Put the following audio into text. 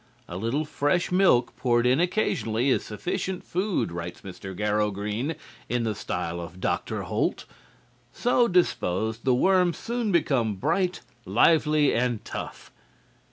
"A little fresh milk poured in occasionally is sufficient food," writes Mr. Garrow Green, in the style of Dr. Holt. "So disposed, the worms soon become bright, lively and tough."